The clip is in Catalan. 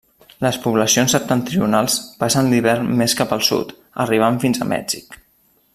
Les poblacions septentrionals passen l'hivern més cap al sud, arribant fins a Mèxic.